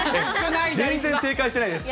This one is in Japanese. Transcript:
全然正解してないです。